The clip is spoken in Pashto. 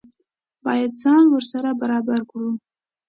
باید ځان ورسره برابر کړو.